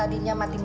harus nah walna